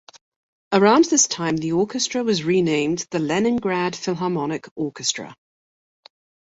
Around this time, the Orchestra was renamed the "Leningrad Philharmonic Orchestra".